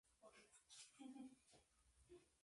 Así aprendió a hornear, cocinar y cuidar a los niños.